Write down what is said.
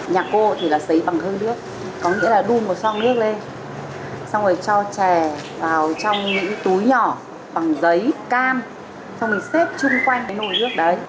nhà cô thì là xấy bằng hương nước có nghĩa là đun một son nước lên xong rồi cho chè vào trong những túi nhỏ bằng giấy cam xong mình xếp chung quanh cái nồi nước đấy